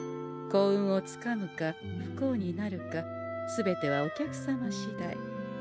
幸運をつかむか不幸になるか全てはお客様しだい。